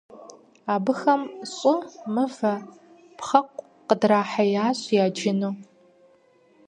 Абыхэм щӀы, мывэ, пхъэкъу къыдрахьеящ яджыну.